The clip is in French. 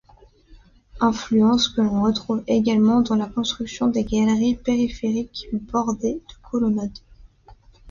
Influences que l’on retrouve également dans la construction des galeries périphériques bordées de colonnades.